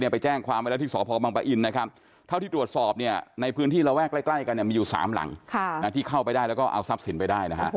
ไปแจ้งความไว้แล้วที่สพบังปะอินนะครับเท่าที่ตรวจสอบเนี่ยในพื้นที่ระแวกใกล้กันมีอยู่๓หลังที่เข้าไปได้แล้วก็เอาทรัพย์สินไปได้นะฮะ